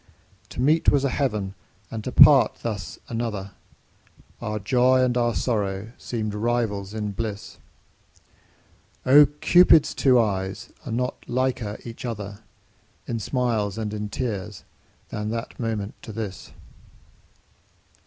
To meet was a heaven and to part thus another, Our joy and our sorrow seemed rivals in bliss; Oh! Cupid's two eyes are not liker each other In smiles and in tears than that moment to this.